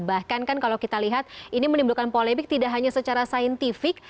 bahkan kan kalau kita lihat ini menimbulkan polemik tidak hanya secara saintifik